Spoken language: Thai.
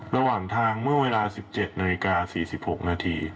ระหว่างทางเมื่อเวลา๑๗นาฬิกา๔๖นาที